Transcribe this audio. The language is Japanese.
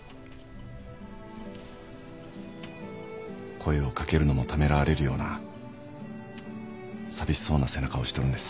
声をかけるのもためらわれるような寂しそうな背中をしとるんです。